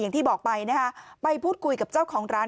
อย่างที่บอกไปนะคะไปพูดคุยกับเจ้าของร้าน